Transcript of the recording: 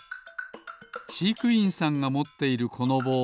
しいくいんさんがもっているこのぼう。